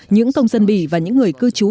những công dân bỉ và những người cư trú